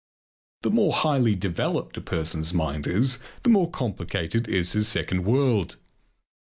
The more highly developed a person's mind is, the more complicated is his second world.